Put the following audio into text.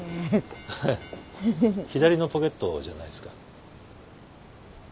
左のポケットじゃないっすか？